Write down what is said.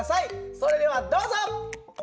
それではどうぞ！